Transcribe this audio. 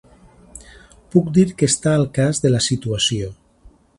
Puc dir que està al cas de la situació.